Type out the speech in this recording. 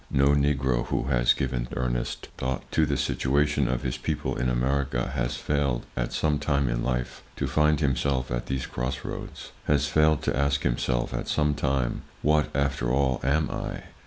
No Negro who has given earnest thought to the situation of his people in America has failed, at some time in life, to find himself at these cross roads; has failed to ask himself at some time: What, after all, am I?